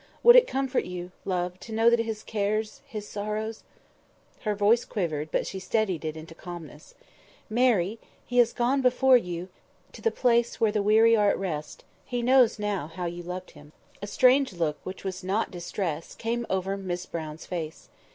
—would it comfort you, love, to know that his cares, his sorrows"—Her voice quivered, but she steadied it into calmness—"Mary! he has gone before you to the place where the weary are at rest. He knows now how you loved him." A strange look, which was not distress, came over Miss Brown's face.